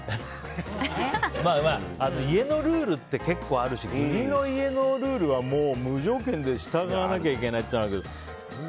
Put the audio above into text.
まあまあ家のルールって結構あるし義理の家のルールはもう無条件で従わなきゃいけないっていうのがあるけど。